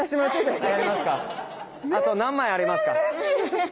あと何枚ありますか？